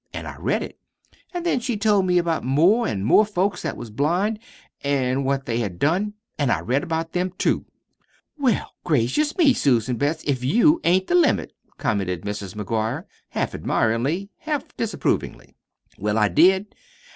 An' I read it. An' then she told me about more an' more folks that was blind, an' what they had done. An' I read about them, too." "Well, gracious me, Susan Betts, if you ain't the limit!" commented Mrs. McGuire, half admiringly, half disapprovingly. "Well, I did.